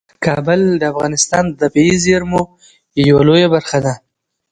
کابل د افغانستان د طبیعي زیرمو یوه لویه برخه ده.